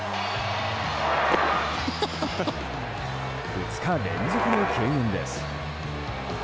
２日連続の敬遠です。